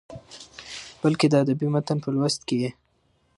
بلکې د ادبي متن په لوست کې يې